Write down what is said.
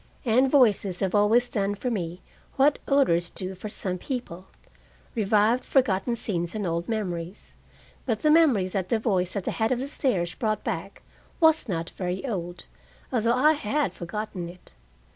And voices have always done for me what odors do for some people, revived forgotten scenes and old memories. But the memory that the voice at the head of the stairs brought back was not very old, although I had forgotten it.